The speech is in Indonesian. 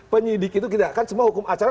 penyidik itu tidak kan semua hukum acara